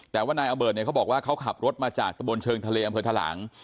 แต่ว่านายอเดิดเนี่ยเขาบอกว่าเขาขับรถมาจากตะบนเชิงทะเลอำเภอทะหลัง